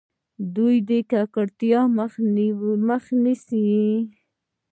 دوی د ککړتیا مخه نیسي.